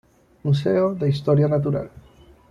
Museo de Historia Natural.